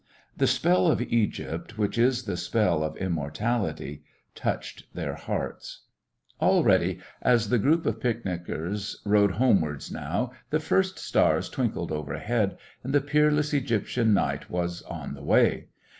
The spell of Egypt, which is the spell of immortality, touched their hearts. Already, as the group of picnickers rode homewards now, the first stars twinkled overhead, and the peerless Egyptian night was on the way.